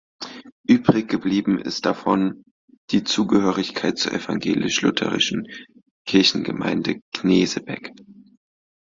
Übrig geblieben ist davon die Zugehörigkeit zur evangelisch-lutherischen Kirchengemeinde Knesebeck.